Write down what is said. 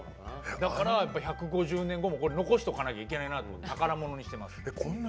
だから１５０年後も残しとかなきゃいけないなと思って宝物にしてます。